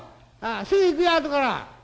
すぐ行くよ後から。